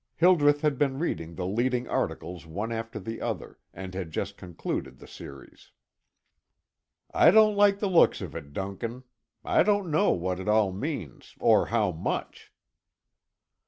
Hildreth had been reading the leading articles one after the other, and had just concluded, the series. "I don't like the looks of it, Duncan. I don't know what it all means, or how much."